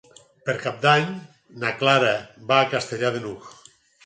Per Cap d'Any na Clara va a Castellar de n'Hug.